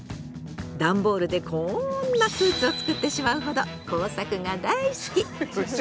段ボールでこんなスーツを作ってしまうほど工作が大好き！